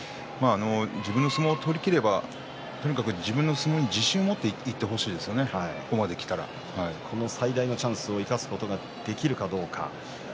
自分の相撲を取りきればとにかく自分の相撲に自信を持っていってほしいですねこの最大のチャンスを生かすことができるかどうか。